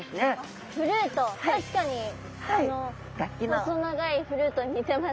確かにあの細長いフルートに似てますね。